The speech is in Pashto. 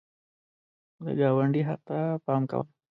د ګاونډي حق ته پام کوه